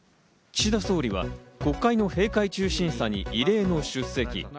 岸田総理は国会の閉会中審査に異例の出席。